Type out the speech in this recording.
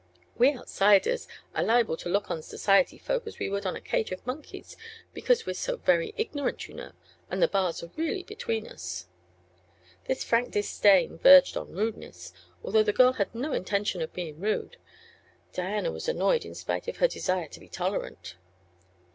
"We outsiders are liable to look on society folk as we would on a cage of monkeys because we're so very ignorant, you know, and the bars are really between us." This frank disdain verged on rudeness, although the girl had no intention of being rude. Diana was annoyed in spite of her desire to be tolerant.